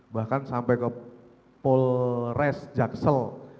bahkan sampai ke polres jaksel